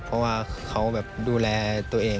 เพราะว่าเขาแบบดูแลตัวเอง